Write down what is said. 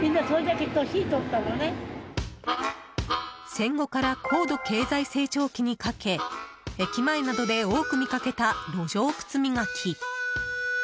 戦後から高度経済成長期にかけ駅前などで多く見かけた路上靴磨き。